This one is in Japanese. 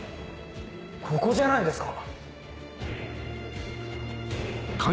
ここじゃないですか？